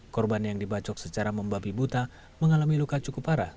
korban yang dibacok secara membabi buta mengalami luka cukup parah